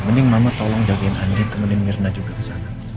mending mama tolong jagain andin temenin mirna juga kesana